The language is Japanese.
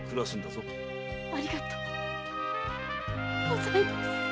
ありがとうございます！